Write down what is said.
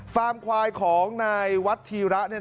ฟาร์มควายของนายวัดธีระ